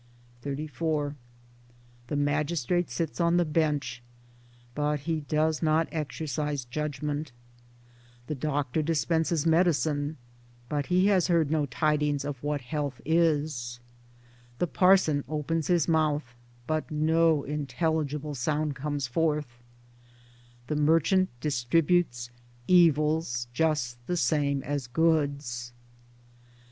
XXXIV The magistrate sits on the bench, but he does not exercise judgment; the doctor dispenses medicine but has 48 Towards Democracy heard no tidings of what health is ; the parson opens his mouth, but no intelligible sound comes forth ; the merchant distributes evils just the same as goods.